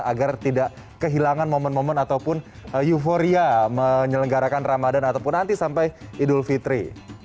agar tidak kehilangan momen momen ataupun euforia menyelenggarakan ramadan ataupun nanti sampai idul fitri